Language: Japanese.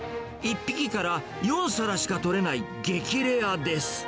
１匹から４皿しか取れない激レアです。